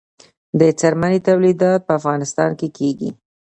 د څرمنې تولیدات په افغانستان کې کیږي